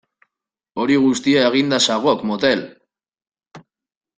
Hori guztia eginda zagok motel!